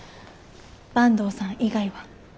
坂東さん以外は。